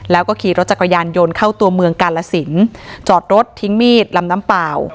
แล้วก็ขี่รถจักรยานยนต์เข้าตัวเมืองกาลสินจอดรถทิ้งมีดลำน้ำเปล่า